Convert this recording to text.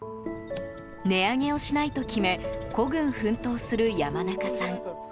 値上げをしないと決め孤軍奮闘する山中さん。